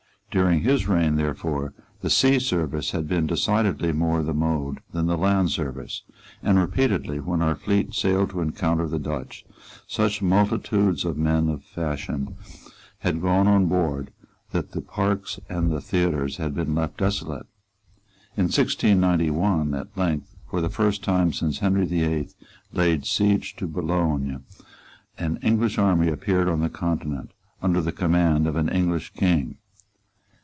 During his reign therefore the sea service had been decidedly more the mode than the land service; and, repeatedly, when our fleet sailed to encounter the Dutch, such multitudes of men of fashion had gone on board that the parks and the theatres had been left desolate. In 1691 at length, for the first time since Henry the Eighth laid siege to Boulogne, an English army appeared on the Continent under the command of an English king.